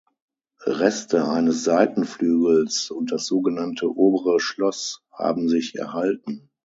Reste eines Seitenflügels und das sogenannte "Obere Schloss" haben sich erhalten.